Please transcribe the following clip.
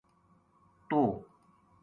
توہ